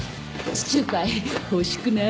地中海欲しくない？